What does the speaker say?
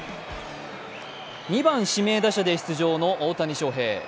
２番・指名打者で出場の大谷翔平。